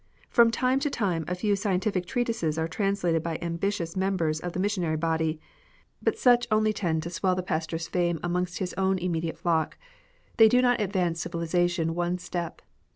From time to time a few scientific treatises are translated by ambitious mem bers of the missionary body, but such only tend to 30 EDUCATIONAL LITERATURE. swell the pastor s fame amongst his own immediate flock : they do not advance civilisation one single step.